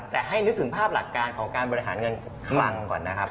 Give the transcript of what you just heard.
แต่ให้นึกถึงภาพหลักการของการบริหารเงินคลังก่อนนะครับ